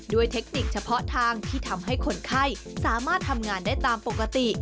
เทคนิคเฉพาะทางที่ทำให้คนไข้สามารถทำงานได้ตามปกติ